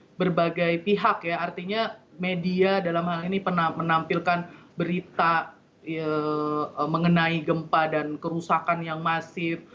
dari berbagai pihak ya artinya media dalam hal ini pernah menampilkan berita mengenai gempa dan kerusakan yang masif